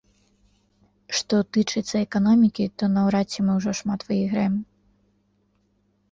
Што тычыцца эканомікі, то наўрад ці мы ўжо шмат выйграем.